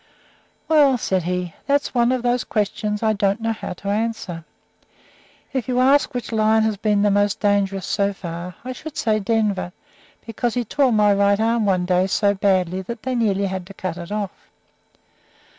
"Well," said he, "that's one of those questions I don't know how to answer. If you ask which lion has been the most dangerous so far, I should say Denver, because he tore my right arm one day so badly that they nearly had to cut it off.